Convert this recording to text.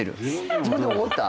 自分で思った？